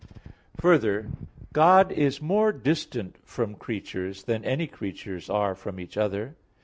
Further, God is more distant from creatures than any creatures are from each other.